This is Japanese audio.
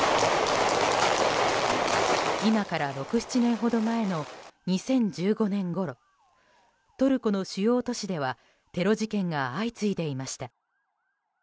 今から６７年ほど前の２０１５年ごろトルコの主要都市ではテロ事件が相次いでいました。